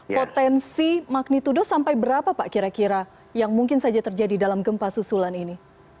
potensi magnitudo sampai berapa pak kira kira yang mungkin saja terjadi dalam gempa susulan ini